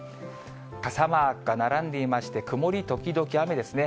傘マークが並んでいまして、曇り時々雨ですね。